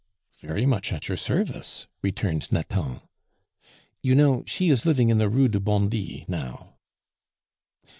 "Very much at your service," returned Nathan. "You know; she is living in the Rue du Bondy now."